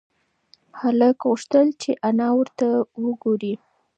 هلک غوښتل چې انا ورته وگوري.